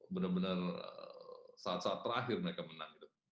benar benar saat saat terakhir mereka menang